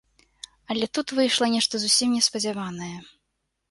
Але тут выйшла нешта зусім неспадзяванае.